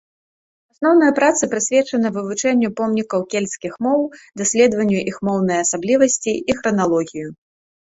Асноўныя працы прысвечаны вывучэнню помнікаў кельцкіх моў, даследаванню іх моўныя асаблівасці і храналогію.